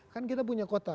kan kita punya kota